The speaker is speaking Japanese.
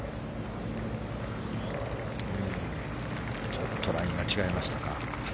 ちょっとラインが違いましたか。